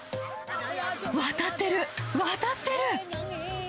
渡ってる、渡ってる。